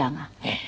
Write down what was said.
ええ。